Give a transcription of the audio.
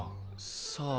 さあ？